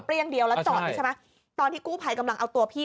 เรียกเดียวแล้วจอดนี่ใช่ไหมตอนที่กู้ภัยกำลังเอาตัวพี่